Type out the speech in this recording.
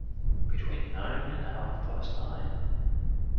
Between nine and half-past nine.